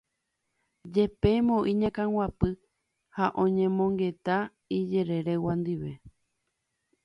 jepémo iñakãguapy ha oñemongeta ijereregua ndive.